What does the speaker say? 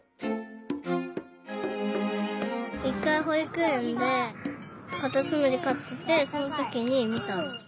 １かいほいくえんでカタツムリかっててそのときにみた。